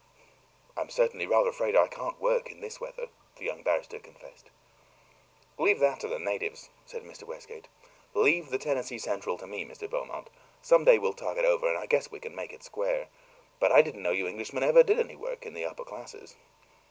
"I'm certainly rather afraid I can't work in this weather," the young barrister confessed. "Leave that to the natives," said Mr. Westgate. "Leave the Tennessee Central to me, Mr. Beaumont. Some day we'll talk it over, and I guess I can make it square. But I didn't know you Englishmen ever did any work, in the upper classes."